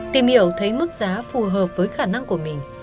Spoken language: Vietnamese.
tìm hiểu thấy mức giá phù hợp với khả năng của mình